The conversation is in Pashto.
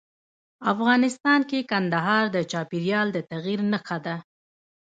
افغانستان کې کندهار د چاپېریال د تغیر نښه ده.